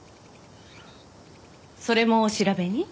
それもお調べに？